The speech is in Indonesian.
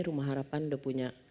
rumah harapan udah punya